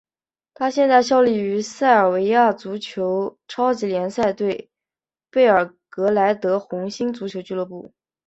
他现在效力于塞尔维亚足球超级联赛球队贝尔格莱德红星足球俱乐部。